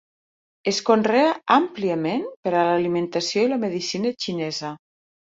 Es conrea àmpliament per a l'alimentació i la medicina xinesa.